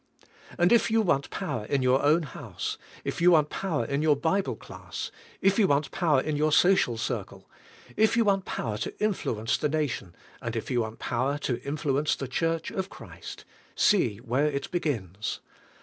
And if you w'ant power in your own house, if you want power in your Bible class, if you want power in your social circle, if you want power to influence the nation and if you want power to influence the Church of Christ, see where it begins.